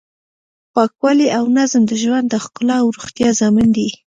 پاکوالی او نظم د ژوند د ښکلا او روغتیا ضامن دی.